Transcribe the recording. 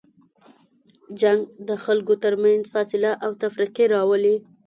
جنګ د خلکو تر منځ فاصله او تفرقې راولي.